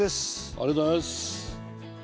ありがとうございます。